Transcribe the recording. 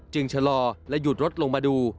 ชะลอและหยุดรถลงมาดู